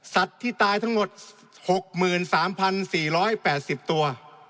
ที่ตายทั้งหมด๖๓๔๘๐ตัว